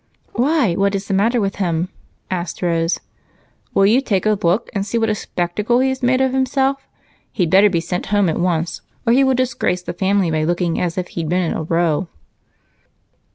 "Why, what's the matter with him?" asked Rose. "Will you take a look and see what a spectacle he has made of himself. He'd better be sent home at once or he will disgrace the family by looking as if he'd been in a row."